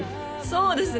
そうですね